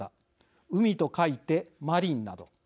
「海」と書いて「マリン」など。